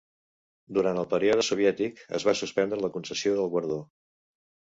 Durant el període soviètic, es va suspendre la concessió del guardó.